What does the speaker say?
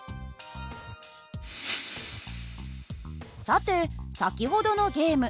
さて先ほどのゲーム。